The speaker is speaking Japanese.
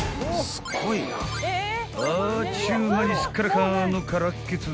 ［あっちゅう間にすっからかんのからっけつ］